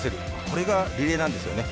これがリレーなんですよね。